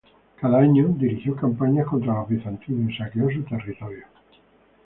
Cada año dirigió campañas contra los bizantinos y saqueó sus territorios.